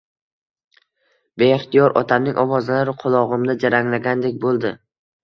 Beixtiyor otamning ovozlari qulogʻimda jaranglagandek boʻldi.